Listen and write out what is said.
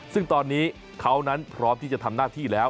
ซึ่งตอนนี้เขานั้นพร้อมที่จะทำหน้าที่แล้ว